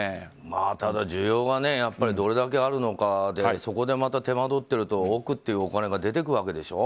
ただ需要がどれだけあるのかでそこで手間取ってると億というお金が出ていくわけでしょ。